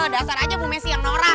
dasar aja bu messi yang norak